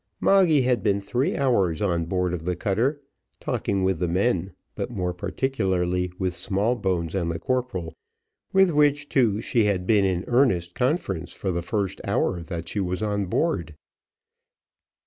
Moggy had been three hours on board of the cutter talking with the men, but more particularly with Smallbones and the corporal, with which two she had been in earnest conference for the first hour that she was on board.